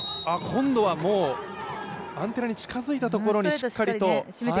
今度はアンテナに近づいたところに、しっかり。